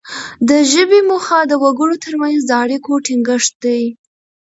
د ژبې موخه د وګړو ترمنځ د اړیکو ټینګښت دی